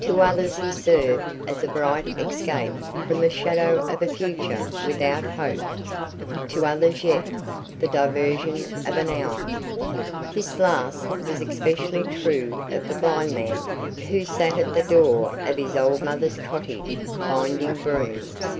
To others he served as a brief escape from the shadow of a future without hope; to others yet, the diversion of an hour. This last was especially true of the blind man who sat at the door of his old mother's cottage binding brooms.